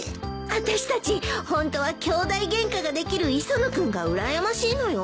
あたしたちホントはきょうだいゲンカができる磯野君がうらやましいのよ。